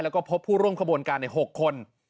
แล้วก็พบผู้ร่วมขบวนการใน๖คน